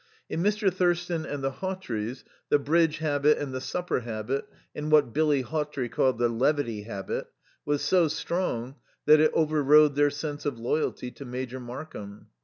In Mr. Thurston and the Hawtreys the bridge habit and the supper habit, and what Billy Hawtrey called the Levitty habit, was so strong that it overrode their sense of loyalty to Major Markham.